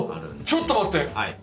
ちょっと待って！！